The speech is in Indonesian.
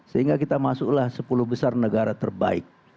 sehingga kita masuklah sepuluh besar negara terbaik